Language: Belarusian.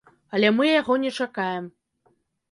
Але мы яго не чакаем.